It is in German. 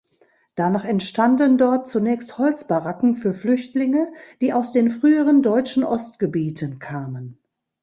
Danach entstanden dort zunächst Holzbaracken für Flüchtlinge, die aus den früheren deutschen Ostgebieten kamen.